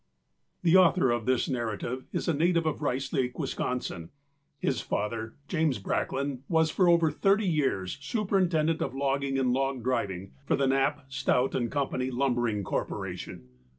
The author of this narrative is a native of Rice Lake, Wisconsin. His father, James Bracklin, was for over thirty years superintendent of logging and log driving for the Knapp, Stout, and Company lumbering corporation.